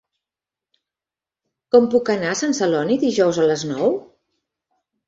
Com puc anar a Sant Celoni dijous a les nou?